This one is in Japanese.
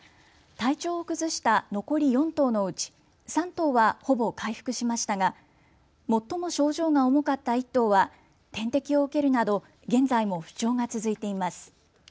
体調を崩した残り４頭のうち３頭はほぼ回復しましたが最も症状が重かった１頭は点滴を受けるなど現在も不調が続いています。